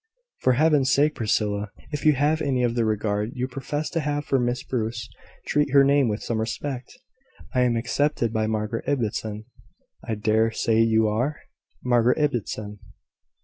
"For Heaven's sake, Priscilla, if you have any of the regard you profess to have for Miss Bruce, treat her name with some respect! I am accepted by Margaret Ibbotson!" "I dare say you are? Margaret Ibbotson!